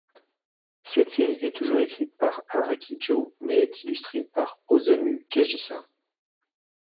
Cette série est toujours écrite par Araki Joh mais est illustrée par Osamu Kajisa.